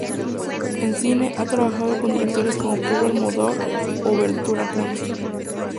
En cine ha trabajado con directores como Pedro Almodóvar o Ventura Pons.